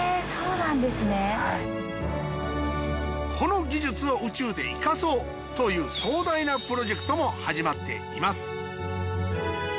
この技術を宇宙で生かそうという壮大なプロジェクトも始まっています